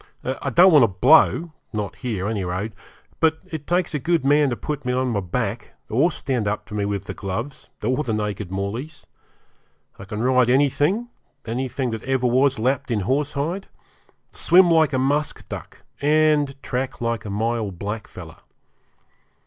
I don't want to blow not here, any road but it takes a good man to put me on my back, or stand up to me with the gloves, or the naked mauleys. I can ride anything anything that ever was lapped in horsehide swim like a musk duck, and track like a Myall blackfellow.